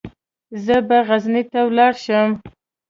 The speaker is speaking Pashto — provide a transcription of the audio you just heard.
زه به غزني ته ولاړ شم.